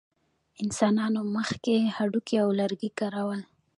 انسانانو مخکې هډوکي او لرګي کارول.